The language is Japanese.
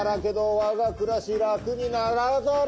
我が暮らし楽にならざる。